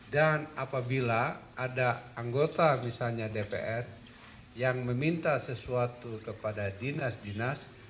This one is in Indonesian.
dan apabila ada anggota misalnya dpr yang meminta sesuatu kepada dinas dinas